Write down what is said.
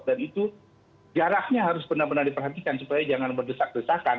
dan itu jaraknya harus benar benar diperhatikan supaya jangan berdesak desakan